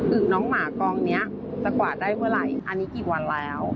น้องหมากองนี้จะกวาดได้เมื่อไหร่อันนี้กี่วันแล้ว